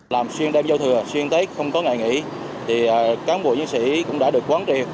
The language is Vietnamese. làm xuyên đêm giao thừa xuyên tết không có ngày nghỉ thì các ông bộ nhân sĩ cũng đã được quán triệt